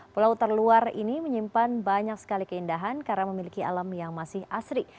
pulau terluar ini menyimpan banyak sekali keindahan karena memiliki alam yang masih asri